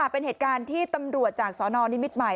เป็นเหตุการณ์ที่ตำรวจจากสนนิมิตรใหม่